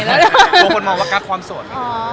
โบบคมมองว่ากลับความสด